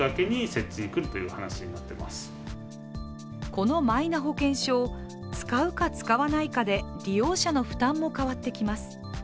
このマイナ保険証、使うか使わないかで利用者の負担も変わってきます。